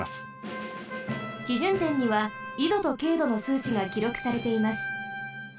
基準点には緯度と経度のすうちがきろくされています。